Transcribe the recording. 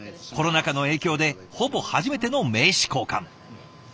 コロナ禍の影響でほぼ初めての名刺交換。